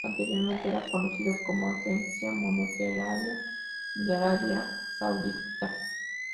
Anteriormente, era conocido como Agencia Monetaria de Arabia Saudita.